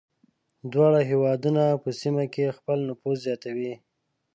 دواړه هېوادونه په سیمه کې خپل نفوذ زیاتوي.